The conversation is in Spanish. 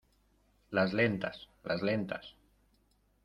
las lentas. las lentas .